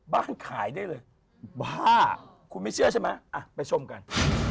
ขายได้เลยบ้าคุณไม่เชื่อใช่ไหมอ่ะไปชมกัน